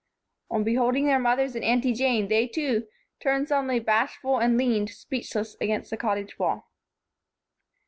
On beholding their mothers and Aunty Jane, they, too, turned suddenly bashful and leaned, speechless, against the Cottage wall.